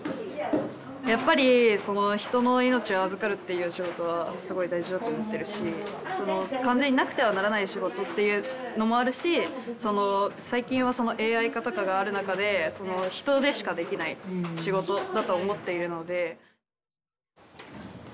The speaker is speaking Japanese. やっぱりその人の命を預かるっていう仕事はすごい大事だと思ってるし完全になくてはならない仕事っていうのもあるしその最近はそのＡＩ化とかがある中でその人でしかできない仕事だと思っているので。